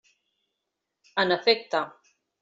En efecte.